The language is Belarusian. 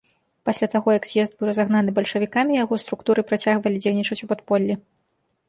Пасля таго, як з'езд быў разагнаны бальшавікамі, яго структуры працягвалі дзейнічаць у падполлі.